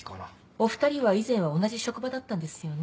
お２人は以前は同じ職場だったんですよね？